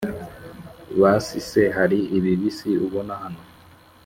basi se hari ibibisi ubona hano!’